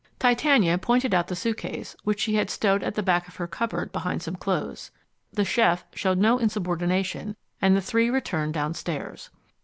Titania pointed out the suitcase, which she had stowed at the back of her cupboard behind some clothes. The chef showed no insubordination, and the three returned downstairs.